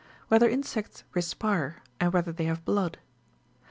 WHETHER INSECTS RESPIRE, AND WHETHER THEY HAVE BLOOD.